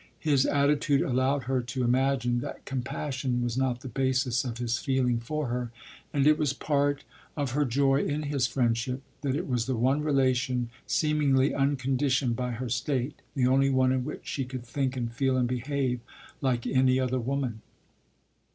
His attitude allowed her to imagine that compassion was not the basis of his feeling for her, and it was part of her joy in his friendship that it was the one relation seemingly unconditioned by her state, the only one in which she could think and feel and behave like any other woman.